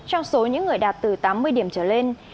trong số những người đạt từ tám mươi điểm trở lên